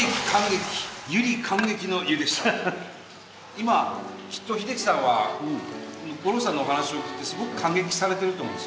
今きっと秀樹さんは五郎さんのお話を聞いてすごく感激されてると思うんですよね。